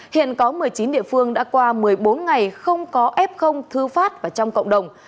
hiện có một mươi chín địa phương đã qua một mươi bốn ngày không có f thư phát và trong cộng đồng